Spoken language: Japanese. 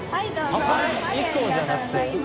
１個じゃなくて？